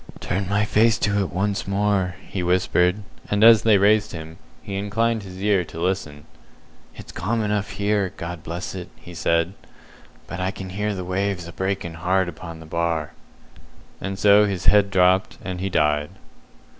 "Turn my face to it once more," he whispered; and as they raised him, he inclined his ear to listen. "It's calm enough here, God bless it," he said; "but I can hear the waves a breaking hard upon the Bar!" And so his head dropped, and he died.